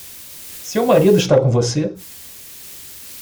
Seu marido está com você?